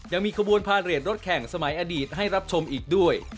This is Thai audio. ยังมีขบวนพาเรทรถแข่งสมัยอดีตให้รับชมอีกด้วย